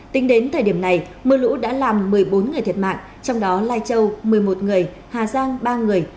tính đến thời điểm này mưa lũ đã làm một mươi bốn người thiệt mạng trong đó lai châu một mươi một người hà giang ba người